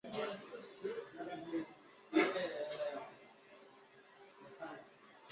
卓尼禅定寺指位于中国甘肃省甘南藏族自治州卓尼县府所在地的禅定寺。